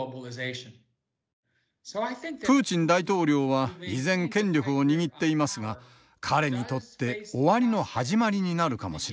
プーチン大統領は依然権力を握っていますが彼にとって終わりの始まりになるかもしれません。